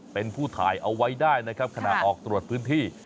เป็นผู้ถ่ายเอาไว้ได้นะครับขณะออกตรวจพื้นที่